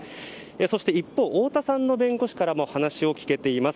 そして一方太田さんの弁護士からも話を聞けています。